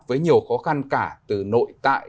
với nhiều khó khăn cả từ nội tại